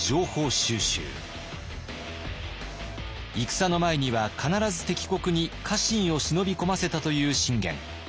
戦の前には必ず敵国に家臣を忍び込ませたという信玄。